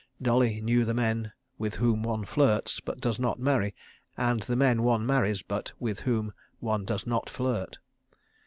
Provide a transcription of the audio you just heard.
Dolly knew the men with whom one flirts but does not marry, and the men one marries but with whom one does not flirt.